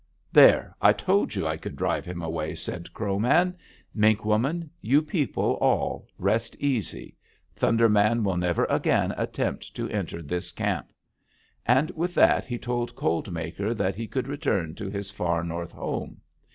"'There! I told you I could drive him away,' said Crow Man. 'Mink Woman, you people all, rest easy: Thunder Man will never again attempt to enter this camp.' And with that he told Cold Maker that he could return to his Far North home.